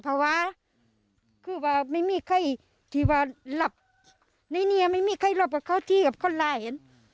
เพราะว่าคือว่าไม่มีใครที่ว่าหลับในเนียไม่มีใครหลับเข้าที่กับคนล่าเห็น